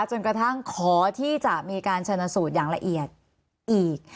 จนกระทั่งขอที่จะมีการชนะสูตรอย่างละเอียดอีก